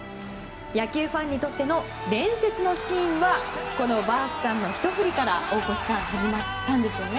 野球ファンにとっての伝説のシーンはこのバースさんのひと振りから始まったんですよね。